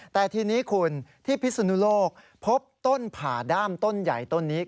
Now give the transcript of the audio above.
แต่ทีนี้คุณที่พิศนุโลกพบต้นผ่าด้ามต้นใหญ่ต้นนี้